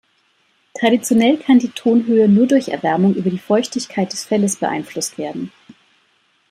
Traditionell kann die Tonhöhe nur durch Erwärmung über die Feuchtigkeit der Felles beeinflusst werden.